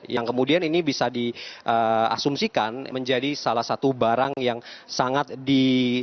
yang kemudian ini bisa diasumsikan menjadi salah satu barang yang sangat di